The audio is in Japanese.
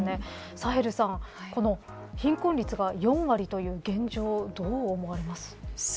サヘルさん、この貧困率が４割という現状どう思われますか。